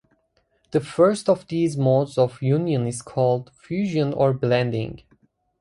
The first of these modes of union is called fusion or blending.